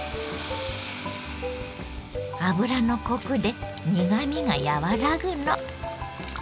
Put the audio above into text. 油のコクで苦みが和らぐの。